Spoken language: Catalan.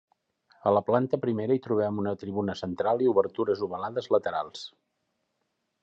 A la planta primera hi trobem una tribuna central i obertures ovalades laterals.